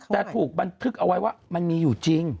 แต่ถูกบันทึกเอาไว้ว่ามันมีอยู่จริง